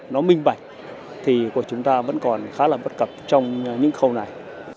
nó minh bạch thì của chúng ta vẫn còn khá là bất cập trong những khâu này